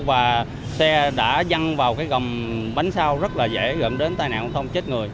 và xe đã dăng vào cái gầm bánh sao rất là dễ gận đến tai nạn giao thông chết người